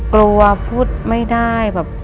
กลัวพูดไม่ได้แบบ